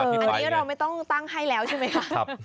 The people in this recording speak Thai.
อันนี้เราไม่ต้องตั้งให้แล้วใช่ไหมคะ